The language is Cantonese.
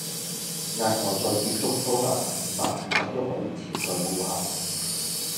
額外再接觸多達五百二十一位潛在顧客